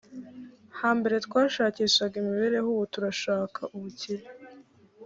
hambere twashakishaga imibereho ubu turashaka ubukire